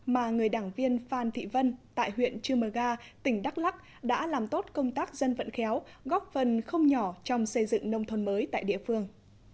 mà người đảng viên phan thị vân tại huyện trư mờ ga tỉnh đắk lắc đã làm tốt công tác dân vận khéo góp phần không nhỏ trong xây dựng nông thôn mới tại địa phương